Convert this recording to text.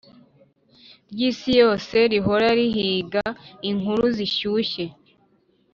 ry'isi yose rihora rihiga inkuru zishyushye.